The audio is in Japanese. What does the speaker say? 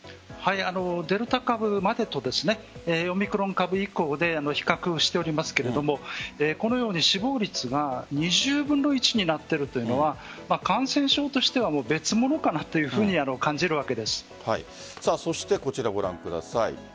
デルタ株までとオミクロン株以降で比較しておりますがこのように死亡率が２０分の１になっているというのは感染症としては別物かなとこちらご覧ください。